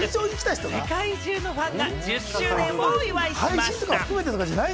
世界中のファンが１０周年をお祝いしました。